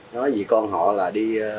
nói gì con họ là đi